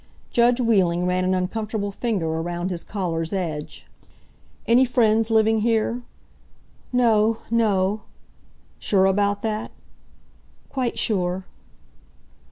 Judge Wheeling ran an uncomfortable finger around his collar's edge. "Any friends living here?" "No! No!" "Sure about that?" "Quite sure."